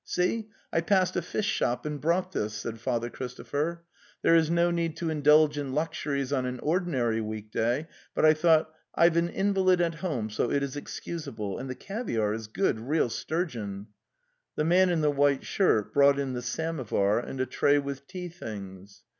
"See; I passed a fish shop and brought this," said Father 'Christopher. '' There is no need to in dulge in luxuries on an ordinary weekday; but I thought, I've an invalid at home, so it is excusable. And the caviare is good, real sturgeon. ..." The man in the white shirt brought in the samovar and a tray with tea things.